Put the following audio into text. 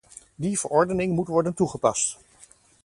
Die verordening moet worden toegepast.